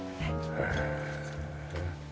へえ。